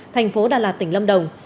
thành phố đà lạt tỉnh lâm đồng